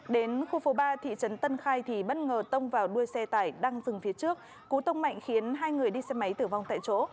đến khu phố ba thị trấn tân khai thì bất ngờ tông vào đuôi xe tải đang dừng phía trước cú tông mạnh khiến hai người đi xe máy tử vong tại chỗ